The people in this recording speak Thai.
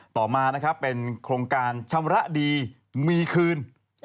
ต่อมาเป็นโครงการชำระดีมีคืน